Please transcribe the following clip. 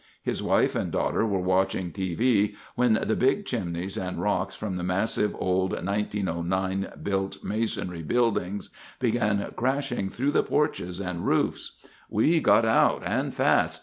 His wife and daughter were watching TV when the big chimneys and rocks from the massive old 1909 built masonry buildings began crashing through the porches and roofs. "We got out and fast.